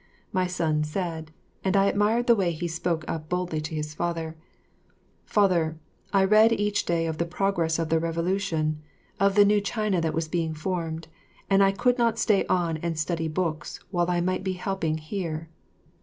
My son said, and I admired the way he spoke up boldly to his father, "Father, I read each day of the progress of the Revolution, of the new China that was being formed, and I could not stay on and study books while I might be helping here."